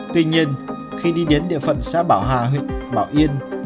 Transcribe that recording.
tuy nhiên khi đi đến địa phận xã bảo hà huyện bảo yên